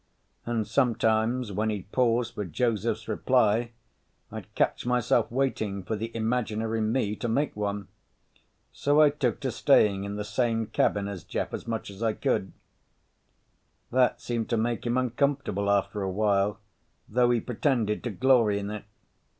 And sometimes when he'd pause for Joseph's reply I'd catch myself waiting for the imaginary me to make one. So I took to staying in the same cabin as Jeff as much as I could. That seemed to make him uncomfortable after a while, though he pretended to glory in it.